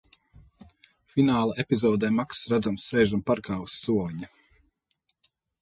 Fināla epizodē Makss redzams sēžam parkā uz soliņa.